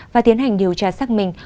và tiến hành điều tra xác minh